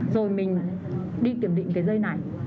rồi mình đi kiểm định cái dây này